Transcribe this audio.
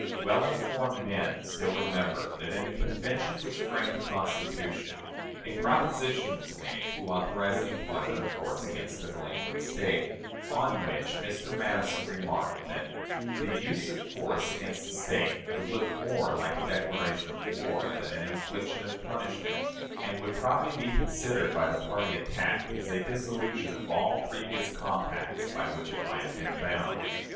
Well informed men still remembered that, in the Convention which framed the Constitution, a proposition was made to authorize the employment of force against a delinquent State, on which Mr. Madison remarked that "the use of force against a State would look more like a declaration of war than an infliction of punishment, and would probably be considered by the party attacked as a dissolution of all previous compacts by which it might have been bound."